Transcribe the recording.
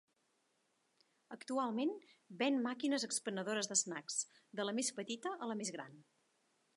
Actualment ven màquines expenedores d'snacks, de la més petita a la més gran.